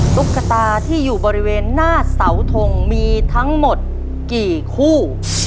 ตุ๊กตาที่อยู่บริเวณหน้าเสาทงมีทั้งหมดกี่คู่